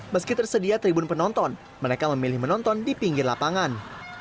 meski tersedia tribun penonton mereka memilih menonton di pinggir lapangan